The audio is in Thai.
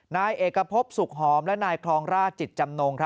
นายเอกพบสุขหอมและนายครองราชจิตจำนง